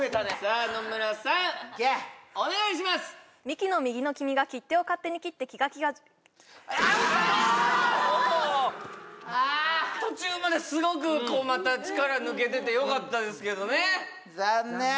ミキの右の君が切手を勝手に切って気が気があ途中まですごくこうまた力抜けててよかったですけどね・残念！